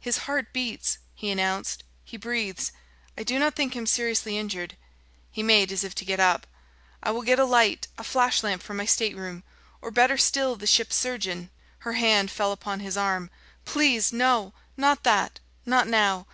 "His heart beats," he announced "he breathes. I do not think him seriously injured." He made as if to get up. "I will get a light a flash lamp from my stateroom or, better still, the ship's surgeon " Her hand fell upon his arm. "Please, no! Not that not now.